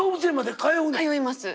通います。